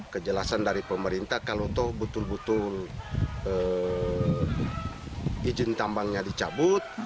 kejelasan dari pemerintah kalau itu betul betul izin tambangnya dicabut